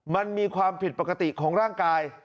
มันมีความผิดปกติของร่างกาย